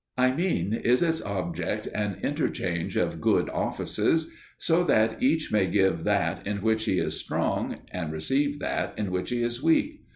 I mean, is its object an interchange of good offices, so that each may give that in which he is strong, and receive that in which he is weak?